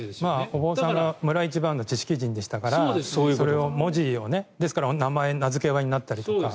お坊さんが村一番の知識人でしたからそれを文字を、ですから名付け親になったりとか。